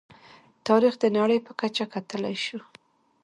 تاریخ د نړۍ په کچه کتلی شو.